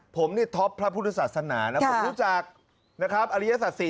ผมนี่ท็อปพระพุทธศาสนานะผมรู้จักอริยสัสสี